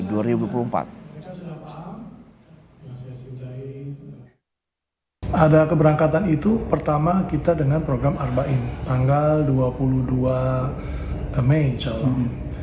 ada keberangkatan itu pertama kita dengan program arba in tanggal dua puluh dua mei calon